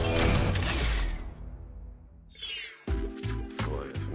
すごいですね。